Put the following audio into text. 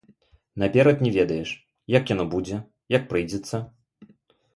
Наперад не ведаеш, як яно будзе, як прыйдзецца.